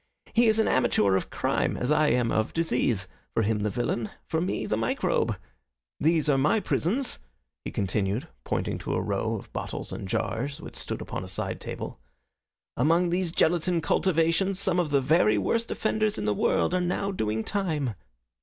He is an amateur of crime, as I am of disease. For him the villain, for me the microbe. There are my prisons," he continued, pointing to a row of bottles and jars which stood upon a side table. "Among those gelatine cultivations some of the very worst offenders in the world are now doing time."